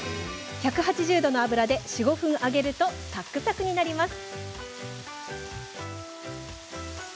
１８０度の油で４、５分揚げるとサクサクになります。